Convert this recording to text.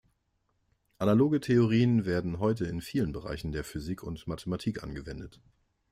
Analoge Theorien werden heute in vielen Bereichen der Physik und Mathematik angewendet.